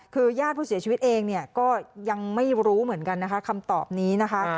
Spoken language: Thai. คือญาติผู้เสียชีวิตเองเนี่ยก็ยังไม่รู้เหมือนกันนะคะคำตอบนี้นะคะ